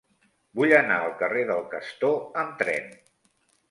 Vull anar al carrer del Castor amb tren.